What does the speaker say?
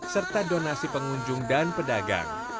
serta donasi pengunjung dan pedagang